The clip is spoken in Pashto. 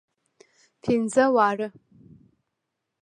پنځه واړه.